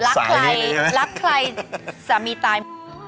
รักใครสามีตาย